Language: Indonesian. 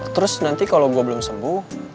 terus nanti kalau gue belum sembuh